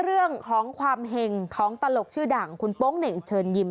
เรื่องของความเห็งของตลกชื่อดังคุณโป๊งเหน่งเชิญยิ้ม